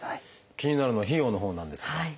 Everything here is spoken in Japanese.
気になるのは費用のほうなんですが。